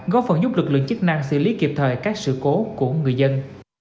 góp phần giúp lực lượng chức năng xử lý kịp thời các sự cố của người dân